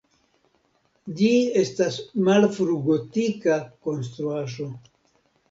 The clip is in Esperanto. Ĝi estas malfrugotika konstruaĵo.